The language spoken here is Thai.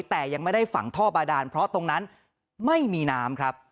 แต่ยังไม่ได้ฝังท่อบาดานเพราะตรงนั้นไม่มีน้ำครับ